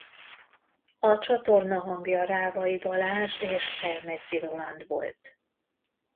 A csatorna hangja Rábai Balázs és Selmeczi Roland volt.